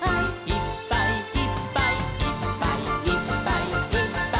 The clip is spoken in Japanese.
「いっぱいいっぱいいっぱいいっぱい」